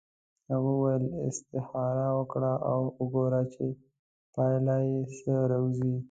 هغې وویل استخاره وکړه او وګوره چې پایله یې څه راوځي.